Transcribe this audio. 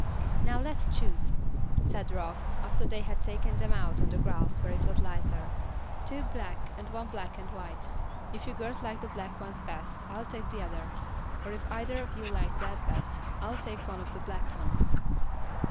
"Now let's choose," said Rock, after they had taken them out on the grass where it was lighter. "Two black, and one black and white. If you girls like the black ones best I'll take the other, or if either of you like that best, I'll take one of the black ones."